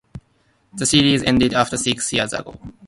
The series ended after six seasons.